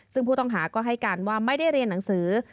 ซึ่งผู้ต้องหาก็ให้การว่าไม่ได้เรียนหนังสือ